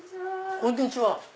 こんにちは。